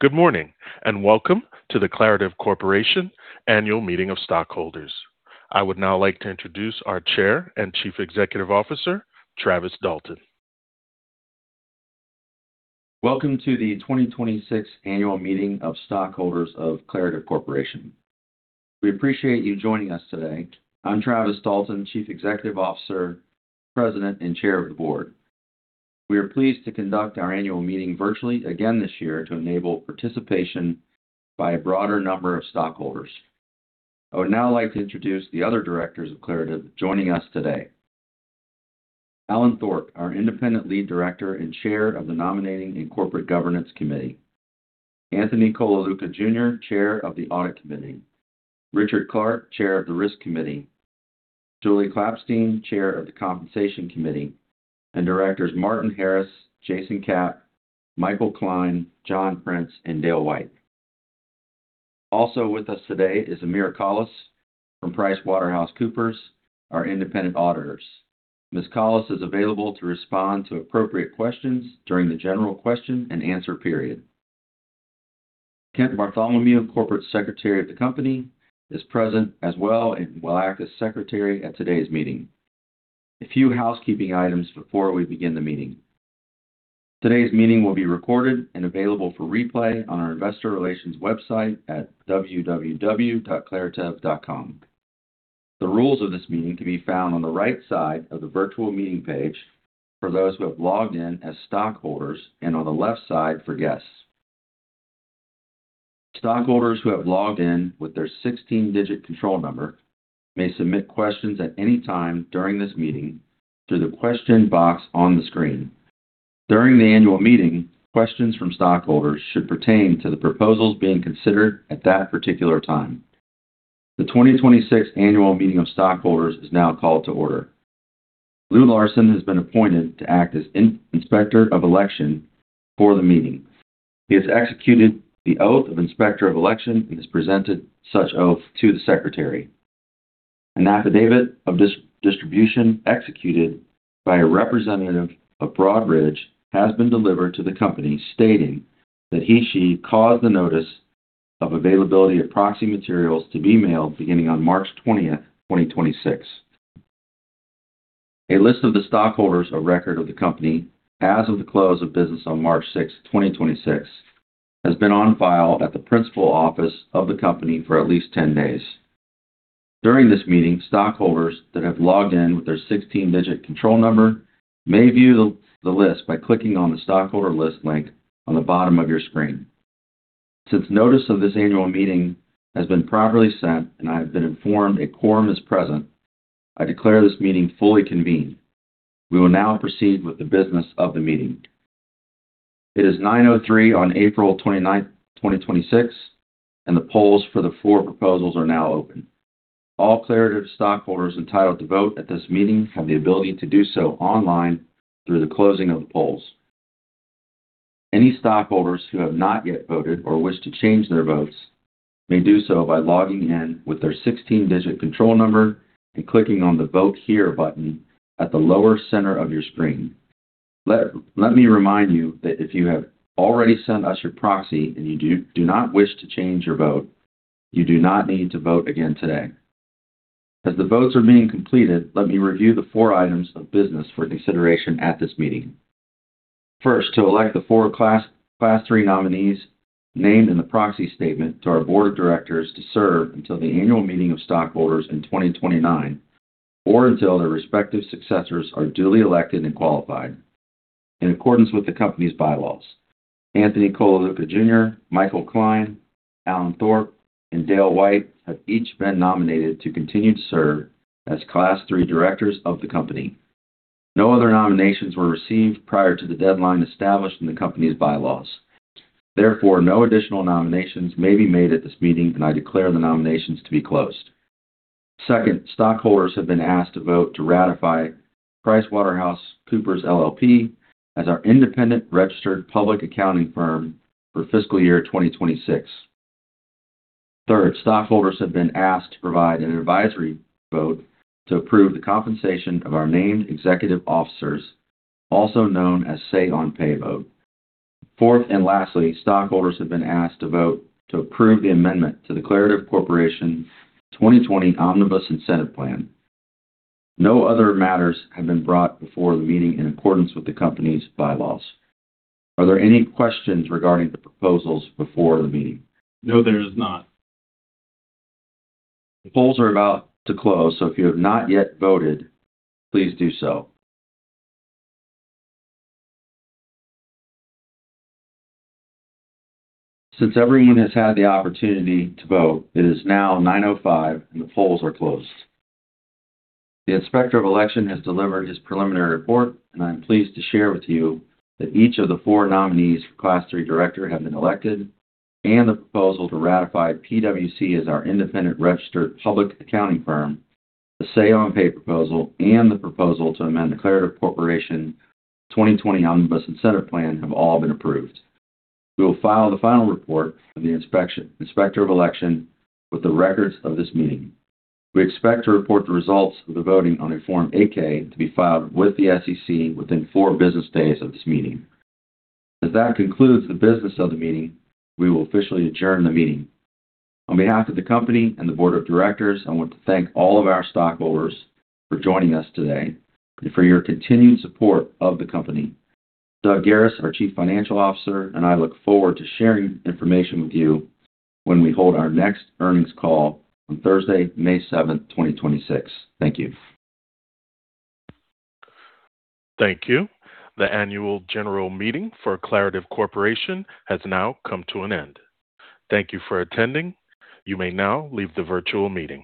Good morning, welcome to the Claritev Corporation annual meeting of stockholders. I would now like to introduce our Chair and Chief Executive Officer, Travis Dalton. Welcome to the 2026 annual meeting of stockholders of Claritev Corporation. We appreciate you joining us today. I'm Travis Dalton, chief executive officer, president, and chair of the board. We are pleased to conduct our annual meeting virtually again this year to enable participation by a broader number of stockholders. I would now like to introduce the other directors of Claritev joining us today. Allen Thorpe, our independent lead director and chair of the Nominating and Corporate Governance Committee. Anthony Colaluca Jr., chair of the Audit Committee. Richard Clarke, chair of the Risk Committee. Julie Klapstein, chair of the Compensation Committee. Directors Martin Harris, Jason Kap, Michael Klein, John Prince, and Dale White. Also with us today is Amir Collins from PricewaterhouseCoopers, our independent auditors. Ms. Collis is available to respond to appropriate questions during the general question and answer period. Kent Bartholomew, corporate secretary of the company, is present as well and will act as secretary at today's meeting. A few housekeeping items before we begin the meeting. Today's meeting will be recorded and available for replay on our investor relations website at www.Claritev.com. The rules of this meeting can be found on the right side of the virtual meeting page for those who have logged in as stockholders and on the left side for guests. Stockholders who have logged in with their 16-digit control number may submit questions at any time during this meeting through the question box on the screen. During the annual meeting, questions from stockholders should pertain to the proposals being considered at that particular time. The 2026 annual meeting of stockholders is now called to order. Lou Larson has been appointed to act as Inspector of Election for the meeting. He has executed the oath of inspector of election and has presented such oath to the secretary. An affidavit of distribution executed by a representative of Broadridge has been delivered to the company stating that he/she caused the notice of availability of proxy materials to be mailed beginning on March 20th, 2026. A list of the stockholders of record of the company as of the close of business on March 6th, 2026, has been on file at the principal office of the company for at least 10 days. During this meeting, stockholders that have logged in with their 16-digit control number may view the list by clicking on the Stockholder List link on the bottom of your screen. Since notice of this annual meeting has been properly sent and I have been informed a quorum is present, I declare this meeting fully convened. We will now proceed with the business of the meeting. It is 9:03 A.M. on April 29th, 2026, and the polls for the four proposals are now open. All Claritev stockholders entitled to vote at this meeting have the ability to do so online through the closing of the polls. Any stockholders who have not yet voted or wish to change their votes may do so by logging in with their 16-digit control number and clicking on the Vote Here button at the lower center of your screen. Let me remind you that if you have already sent us your proxy and you do not wish to change your vote, you do not need to vote again today. As the votes are being completed, let me review the four items of business for consideration at this meeting. First, to elect the four class three nominees named in the proxy statement to our board of directors to serve until the annual meeting of stockholders in 2029 or until their respective successors are duly elected and qualified in accordance with the company's bylaws. Anthony Colaluca Jr., Michael Klein, Allen Thorpe, and Dale White have each been nominated to continue to serve as class three directors of the company. No other nominations were received prior to the deadline established in the company's bylaws. No additional nominations may be made at this meeting, and I declare the nominations to be closed. Second, stockholders have been asked to vote to ratify PricewaterhouseCoopers LLP as our independent registered public accounting firm for fiscal year 2026. Third, stockholders have been asked to provide an advisory vote to approve the compensation of our named executive officers, also known as say-on-pay vote. Fourth and lastly, stockholders have been asked to vote to approve the amendment to the Claritev Corporation 2020 Omnibus Incentive Plan. No other matters have been brought before the meeting in accordance with the company's bylaws. Are there any questions regarding the proposals before the meeting? No, there is not. The polls are about to close, so if you have not yet voted, please do so. Since everyone has had the opportunity to vote, it is now 9:05 A.M., and the polls are closed. The inspector of election has delivered his preliminary report, and I am pleased to share with you that each of the four nominees for class three director have been elected, and the proposal to ratify PwC as our independent registered public accounting firm, the say-on-pay proposal, and the proposal to amend Claritev Corporation 2020 omnibus incentive plan have all been approved. We will file the final report of the inspector of election with the records of this meeting. We expect to report the results of the voting on a Form 8-K to be filed with the SEC within four business days of this meeting. As that concludes the business of the meeting, we will officially adjourn the meeting. On behalf of the company and the board of directors, I want to thank all of our stockholders for joining us today and for your continued support of the company. Doug Garis, our Chief Financial Officer, and I look forward to sharing information with you when we hold our next earnings call on Thursday, May 7, 2026. Thank you. Thank you. The annual general meeting for Claritev Corporation has now come to an end. Thank you for attending. You may now leave the virtual meeting.